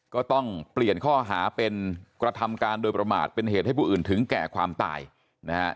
ก็ต้องเปลี่ยนข้อหาเป็นกระทำการโดยประมาทเป็นเหตุให้ผู้อื่นถึงแก่ความตายนะฮะ